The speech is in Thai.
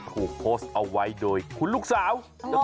ถูกโพสต์เอาไว้โดยคุณลูกสาว